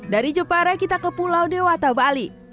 dari jepara kita ke pulau dewata bali